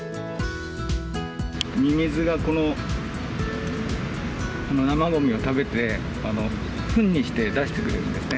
ミミズがこの生ごみを食べて、ふんにして出してくれるんですね。